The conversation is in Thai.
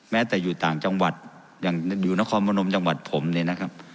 แม้แต่อยู่ต่างจังหวัดอย่างอยู่นครพนมจังหวัดผมเนี่ยนะครับ